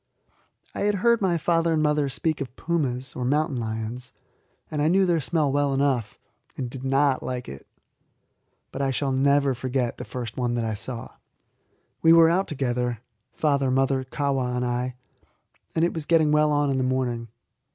I had heard my father and mother speak of pumas, or mountain lions, and I knew their smell well enough and did not like it. But I shall never forget the first one that I saw. We were out together father, mother, Kahwa, and I and it was getting well on in the morning.